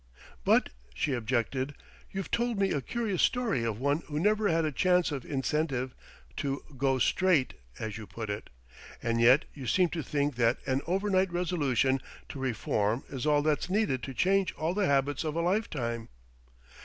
"But," she objected, "you've told me a curious story of one who never had a chance or incentive to 'go straight' as you put it. And yet you seem to think that an overnight resolution to reform is all that's needed to change all the habits of a life time.